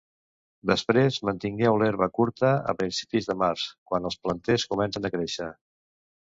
Després, mantingueu l'herba curta a principis de març quan els planters comencen a créixer.